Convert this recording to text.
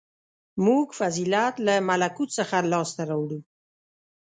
• موږ فضیلت له ملکوت څخه لاسته راوړو.